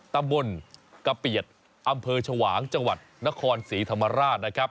ตำบลกะเปียดอำเภอชวางจังหวัดนครศรีธรรมราชนะครับ